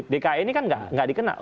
dki ini kan nggak dikenal